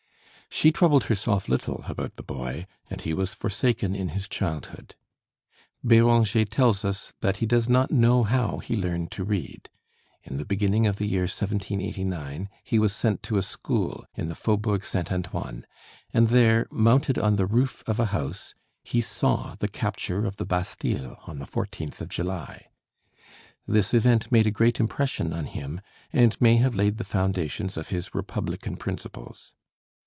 She troubled herself little about the boy, and he was forsaken in his childhood. Béranger tells us that he does not know how he learned to read. In the beginning of the year 1789 he was sent to a school in the Faubourg Saint Antoine, and there, mounted on the roof of a house, he saw the capture of the Bastille on the 14th of July. This event made a great impression on him, and may have laid the foundations of his republican principles.